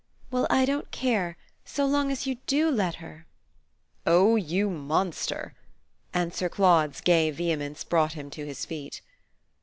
"Well, I don't care, so long as you do let her." "Oh you monster!" and Sir Claude's gay vehemence brought him to his feet.